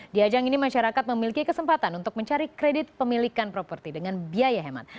di ajang ini masyarakat memiliki kesempatan untuk mencari kredit pemilikan properti dengan biaya hemat